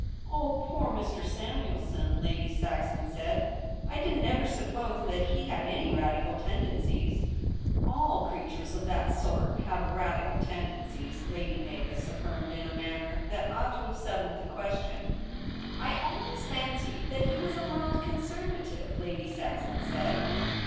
' Oh, poor Mr. Samuelson,' Lady Saxon said. * I didn't ever suppose that he had any Radical tendencies.' ' All creatures of that sort have Radical tendencies,' Lady Mavis affirmed in a manner that ought to have settled the question. * I always fancied that he was a mild Con servative,' Lady Saxon said.